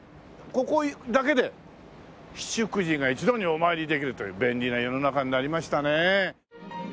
ここだけで七福神が一度にお参りできるという便利な世の中になりましたねえ。